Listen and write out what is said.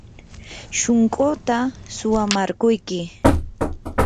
shunquuta suwamarquyki.